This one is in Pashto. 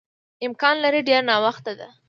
امکان لري ډېر ناوخته ده.